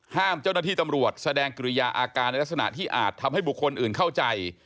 เจ้าหน้าที่ตำรวจแสดงกิริยาอาการในลักษณะที่อาจทำให้บุคคลอื่นเข้าใจ